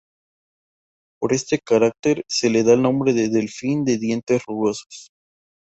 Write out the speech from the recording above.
Por este carácter se le da el nombre de "delfín de dientes rugosos".